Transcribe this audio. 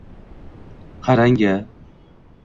Qarang-a!